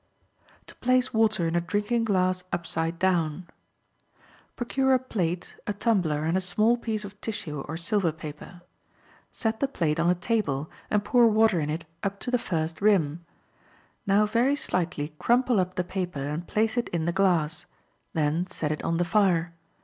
To Place Water in a Drinking Glass Upside Down.—Procure a plate, a tumbler, and a small piece of tissue or silver paper. Set the plate on a table, and pour water in it up to the first rim. Now very slightly crumple up the paper, and place it in the glass; then set it on the fire.